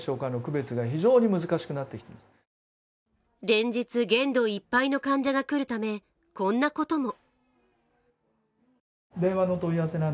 連日、限度いっぱいの患者が来るため、こんなことも。